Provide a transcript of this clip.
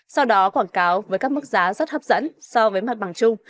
sau đó quảng cáo với các mức giá rất hấp dẫn so với mặt bằng chung